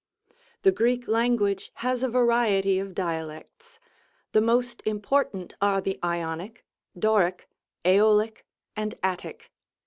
The Greek language has a variety of Dialects ; the most hnportant are the Ionic, Doric, JEolic and Attic.